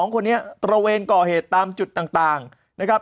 ๒คนนี้ตระเวนก่อเหตุตามจุดต่างนะครับ